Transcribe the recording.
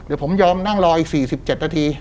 เดี๋ยวผมยอมนั่งรออีก๔๗นาที